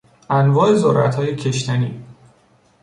انواع ذرتهای کشتنی